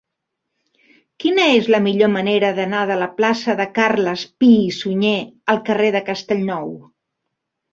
Quina és la millor manera d'anar de la plaça de Carles Pi i Sunyer al carrer de Castellnou?